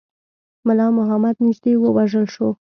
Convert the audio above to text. مُلا محمد نیژدې ووژل شو.